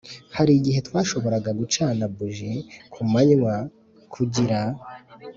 Hari igihe twashoboraga gucana buji ku manywa kugira